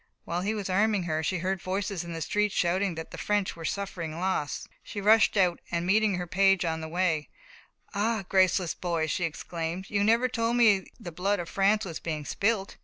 While he was arming her, she heard voices in the street shouting that the French were suffering loss. She rushed out, and meeting her page on the way: "Ah, graceless boy!" she exclaimed, "you never told me the blood of France was being spilt."